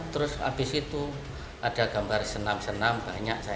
terus habis itu ada gambar senam senam banyak saya